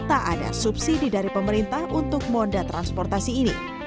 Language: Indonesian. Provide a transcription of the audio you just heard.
tak ada subsidi dari pemerintah untuk moda transportasi ini